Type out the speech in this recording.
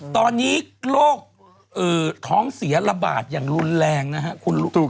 ตอนนี้โรคท้องเสียระบาดอย่างรุนแรงนะฮะถูกต้อง